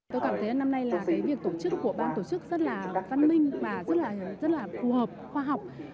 tôi cảm thấy năm nay là cái việc tổ chức của ban tổ chức rất là văn minh và rất là phù hợp khoa học